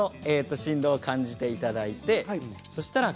振動感じていただいて。